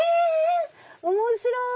面白い！